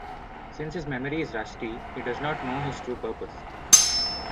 Since his memory is rusty, he does not know his true purpose.